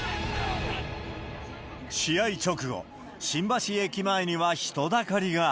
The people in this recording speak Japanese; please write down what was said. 試合直後、新橋駅前には人だかりが。